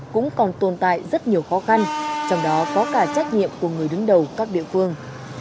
cũng còn tồn tại rất nhiều khó khăn trong đó có cả trách nhiệm của người đứng đầu các địa phương